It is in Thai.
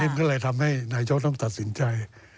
มันก็เลยทำให้นายกต้องตัดสินใจ